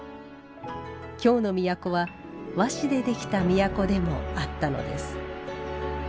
京の都は和紙でできた都でもあったのです。